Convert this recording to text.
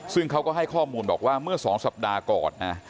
ซึ่งเขาก็ให้ข้อมูลบอกว่าเมื่อ๒สัปดาห์ก่อนนะ